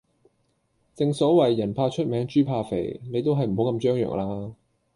正所謂，人怕出名豬怕肥，你都係唔好咁張揚啦